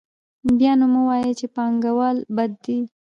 بیا نو مه وایئ چې پانګوال بد دي